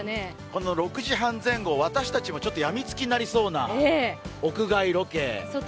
この６時半前後、私たちもちょっとやみつきになりそうな屋外ロケ。